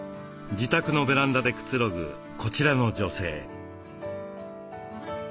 自宅のベランダでくつろぐこちらの女性。